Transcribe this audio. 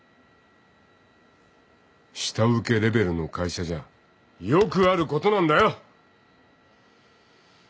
下請けレベルの会社じゃよくあることなんだよ。